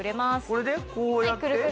これでこうやって？